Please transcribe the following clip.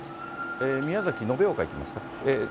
宮崎・延岡いきますか。